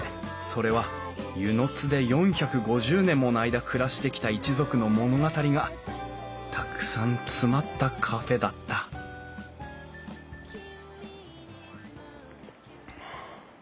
それは温泉津で４５０年もの間暮らしてきた一族の物語がたくさん詰まったカフェだった」はあ。